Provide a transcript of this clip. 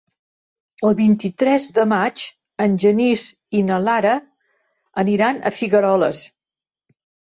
El vint-i-tres de maig en Genís i na Lara aniran a Figueroles.